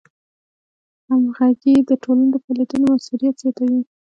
همغږي د ټولنې د فعالیتونو موثریت زیاتوي.